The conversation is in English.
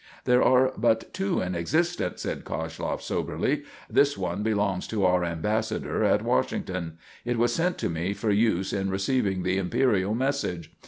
"There are but two in existence," said Koshloff soberly. "This one belongs to our Ambassador at Washington. It was sent to me for use in receiving the imperial message.